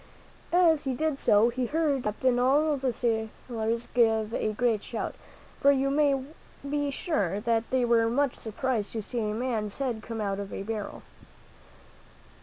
As he did so, he heard the captain and all the sailors give a great shout, for you may be sure that they were much surprised to see a man's head come out of a barrel.